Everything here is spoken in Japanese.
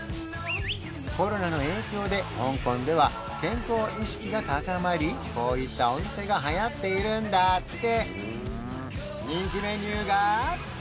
コロナの影響で香港では健康意識が高まりこういったお店がはやっているんだって